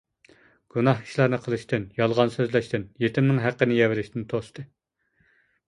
گۇناھ ئىشلارنى قىلىشتىن، يالغان سۆزلەشتىن، يېتىمنىڭ ھەققىنى يەۋېلىشتىن توستى.